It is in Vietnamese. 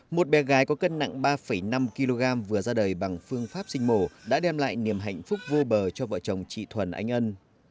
một bé gái có cân nặng ba năm kg vừa ra đời bằng phương pháp sinh mổ đã đem lại niềm hạnh phúc vô bờ cho vợ chồng chị thuần anh ân